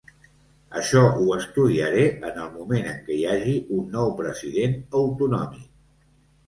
Això ho estudiaré en el moment en què hi hagi un nou president autonòmic.